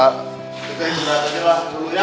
kita istirahat dulu ya